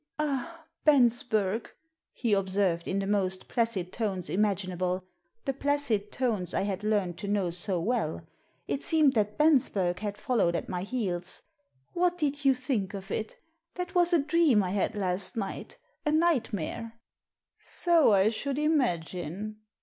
"Ah, Bensberg," he observed in the most placid tones imagfinable — the placid tones I had learned to know so well — it seemed that Bensberg had followed at my heels —" what did you think of it ? That was a dream I had last night — a nightmare." " So I should imagine."